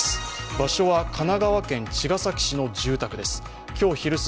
場所は神奈川県茅ヶ崎市の住宅です。